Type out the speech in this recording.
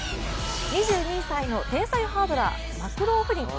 ２２歳の天才ハードラー、マクローフリン。